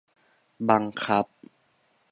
บังคับ